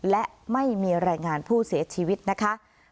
และไม่มีรายงานผู้เสียชีวิตนะคะ